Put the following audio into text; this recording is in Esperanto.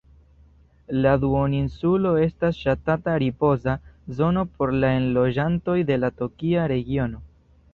La duoninsulo estas ŝatata ripoza zono por la enloĝantoj de la tokia regiono.